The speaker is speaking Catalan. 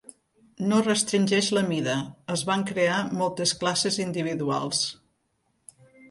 No restringeix la mida: es van crear moltes classes individuals.